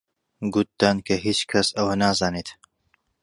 گوتتان کە هیچ کەس ئەوە نازانێت